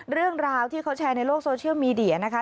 เรื่องราวที่เขาแชร์ในโลกโซเชียลมีเดียนะคะ